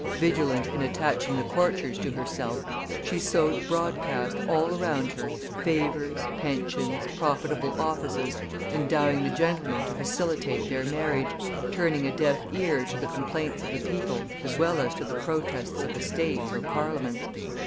Vigilant in attaching the courtiers to herself, she sowed broadcast, all around her, favors, pensions, profitable offices, endowing the gentlemen to facilitate their marriage, turning a deaf ear to the complaints of the people as well as to the protests of the States or Parliaments.